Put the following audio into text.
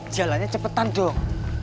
jalannya cepetan dong